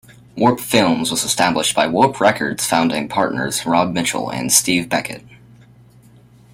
Warp Films was established by Warp Records founding partners Rob Mitchell and Steve Beckett.